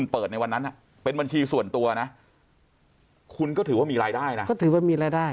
เป็นบัญชีส่วนตัวคุณก็ถือว่ามีรายได้นะ